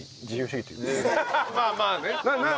まあまあね。